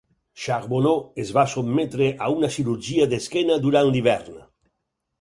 Charboneau es va sotmetre a una cirurgia d'esquena durant l'hivern.